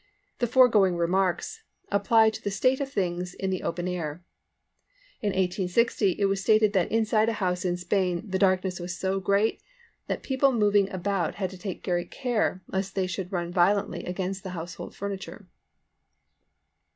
The foregoing remarks apply to the state of things in the open air. In 1860, it was stated that inside a house in Spain the darkness was so great that people moving about had to take great care lest they should run violently against the household furniture.